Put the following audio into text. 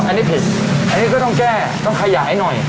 อันนี้ผิดอันนี้ก็ต้องแก้ต้องขยายหน่อย